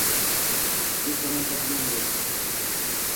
Sen tomon talpinar yurak